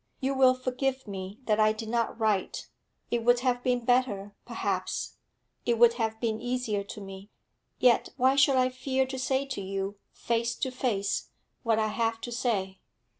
'You will forgive me that I did not write. It would have been better, perhaps; it would have been easier to me. Yet why should I fear to say to you, face to face, what I have to say?'